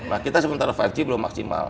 nah kita sementara lima g belum maksimal